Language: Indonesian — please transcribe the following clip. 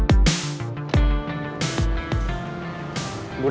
klub yang netherlands memerlukan